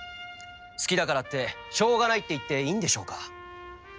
好きだからってしょうがないって言っていいんでしょうか？